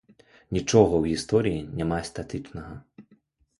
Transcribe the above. Нічога ў гісторыі няма статычнага.